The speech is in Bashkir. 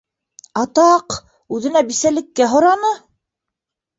Атаҡ, үҙенә бисәлеккә һораны!